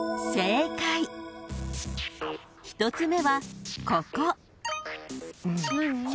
［１つ目はここ］